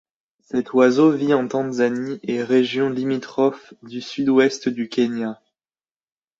Cet oiseau vit en Tanzanie et régions limitrophes du sud-ouest du Kenya.